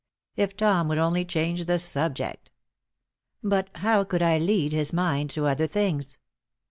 If Tom would only change the subject! But how could I lead his mind to other things?